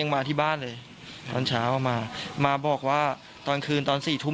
มาที่บ้านเลยตอนเช้ามามาบอกว่าตอนคืนตอนสี่ทุ่ม